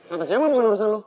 atau siapa bukan urusan lo